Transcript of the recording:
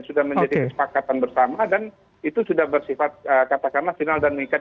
sudah menjadi kesepakatan bersama dan itu sudah bersifat katakanlah final dan mengikat